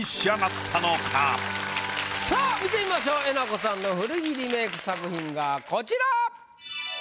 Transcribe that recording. さぁ見てみましょうえなこさんの古着リメイク作品がこちら！